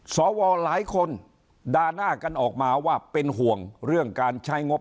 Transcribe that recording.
สวหลายคนด่าหน้ากันออกมาว่าเป็นห่วงเรื่องการใช้งบ